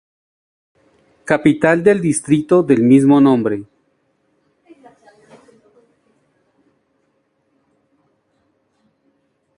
Capital del Distrito del mismo nombre.